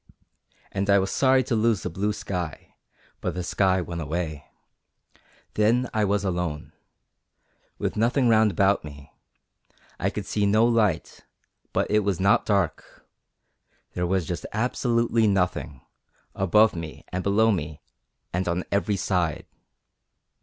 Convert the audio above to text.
And I was sorry to lose the blue sky, but the sky went away. Then I was alone, with nothing round about me; I could see no light, but it was not dark there was just absolutely nothing, above me and below me and on every side.